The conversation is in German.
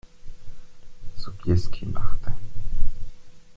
Sobieski machte.